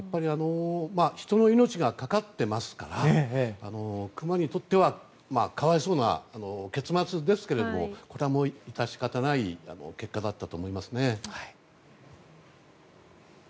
人の命がかかっていますからクマにとっては可哀想な結末ですが致し方ない結果だったと思いますね。